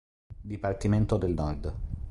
Dipartimento del Nord